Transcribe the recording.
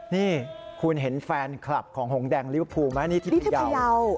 นี่คุณเห็นแฟนคลับของหงษ์แดงลิเวอร์ฟูล์ไหมที่อย่าวนี่ที่พะเยาว์